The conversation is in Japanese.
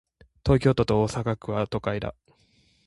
東京都と大阪府は、都会だ。